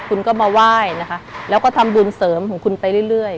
คุณก็มาไหว้นะคะแล้วก็ทำบุญเสริมของคุณไปเรื่อย